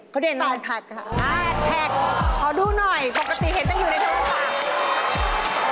เขาเด่นอะไรพักค่ะพักพอดูหน่อยปกติเห็นได้อยู่ในทางฝั่ง